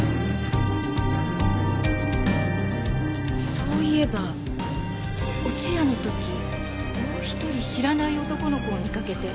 そういえばお通夜の時もう一人知らない男の子を見かけて。